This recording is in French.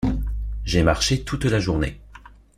J’ai marché toute la journée.